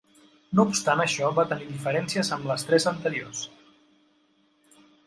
No obstant això va tenir diferències amb les tres anteriors.